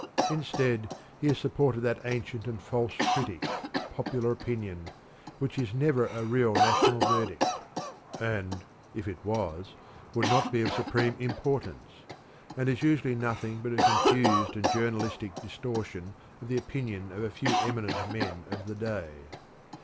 Instead, he has supported that ancient and false critic, popular opinion, which is never a real national verdict and, if it was, would not be of supreme importance and is usually nothing but a confused and journalistic distortion of the opinion of a few eminent men of the day.